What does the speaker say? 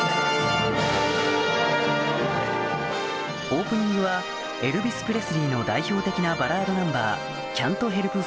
オープニングはエルヴィス・プレスリーの代表的なバラードナンバー